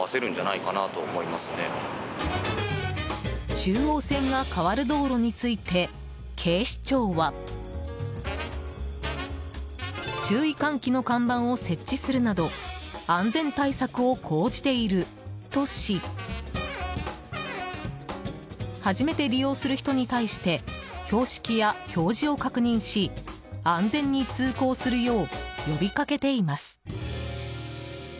中央線が変わる道路について警視庁は注意喚起の看板を設置するなど安全対策を講じているとし初めて利用する人に対して標識や表示を確認し安全に通行するよう呼びかけています。